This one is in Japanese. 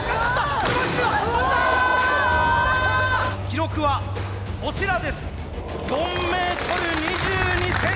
記録はこちらです。